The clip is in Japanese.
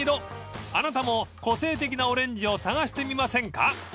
［あなたも個性的なオレンジを探してみませんか？］